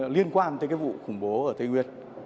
liên quan tới cái vụ khủng bố ở tây nguyên